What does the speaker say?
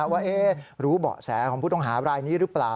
ว่ารู้เบาะแสของผู้ต้องหารายนี้หรือเปล่า